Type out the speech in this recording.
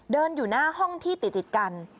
เดินอยู่หน้าห้องที่ติดกัน